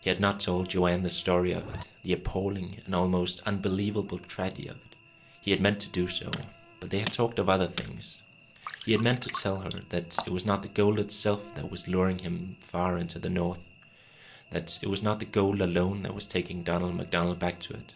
He had not told Joanne the story of it, the appalling and almost unbelievable tragedy of it. He had meant to do so. But they had talked of other things. He had meant to tell her that it was not the gold itself that was luring him far to the north that it was not the gold alone that was taking Donald MacDonald back to it.